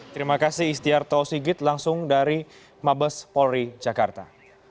terima kasih istiarto sigit langsung dari mabes polri jakarta